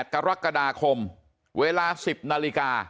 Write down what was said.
กรกฎาคมเวลา๑๐นาฬิกา